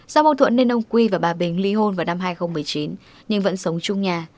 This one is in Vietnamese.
do mâu thuẫn nên ông quy và bà bình ly hôn vào năm hai nghìn một mươi chín nhưng vẫn sống chung nhà